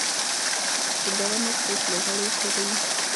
فېلډران هڅه کوي، چي لوبغاړی وسوځوي.